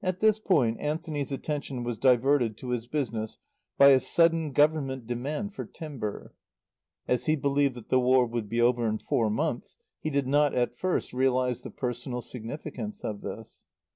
At this point Anthony's attention was diverted to his business by a sudden Government demand for timber. As he believed that the War would be over in four months he did not, at first, realize the personal significance of this.